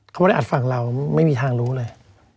เขาไม่ได้อัดฝั่งเราไม่มีทางรู้เลย